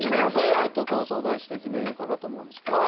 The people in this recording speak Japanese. ちょっと相談して決めようかなと思うんですけども。